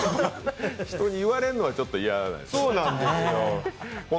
人に言われるのは嫌なんですね。